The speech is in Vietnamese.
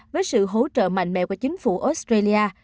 với sự hỗ trợ mạnh mẽ của chính phủ australia